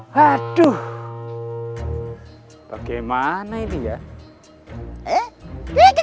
merupakan pengen motor ngga gini